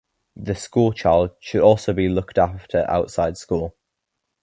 The (school) child should also be looked after outside school.